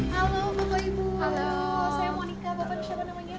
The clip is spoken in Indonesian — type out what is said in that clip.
halo bapak ibu saya monica bapak ibu siapa namanya